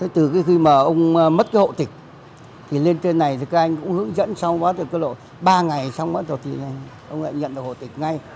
từ khi ông mất hộ tịch lên trên này các anh cũng hướng dẫn sau ba ngày sau đó ông lại nhận được hộ tịch ngay